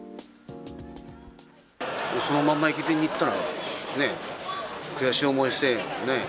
このまま駅伝にいったら、ね、悔しい思いしてね。